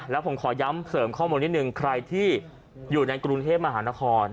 แล้วผมขอย้ำเสริมข้อมูลนิดนึงใครที่อยู่ในกรุงเทพมหานคร